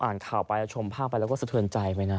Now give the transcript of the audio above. อ่านข่าวไปชมภาพไปแล้วก็สะเทือนใจไปนะ